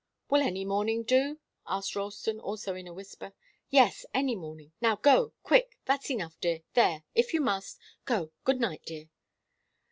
"Will any morning do?" asked Ralston, also in a whisper. "Yes, any morning. Now go quick. That's enough, dear there, if you must. Go good night dear!"